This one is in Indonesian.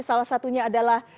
salah satunya adalah